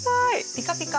ピカピカ！